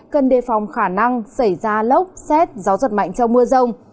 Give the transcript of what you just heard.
cần đề phòng khả năng xảy ra lốc xét gió giật mạnh trong mưa rông